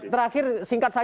terakhir singkat saja